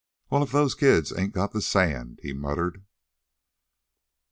"Well, if those kids ain't got the sand!" he muttered.